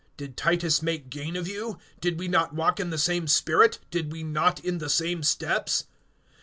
Did Titus make gain of you? Did we not walk in the same spirit; did we not in the same steps?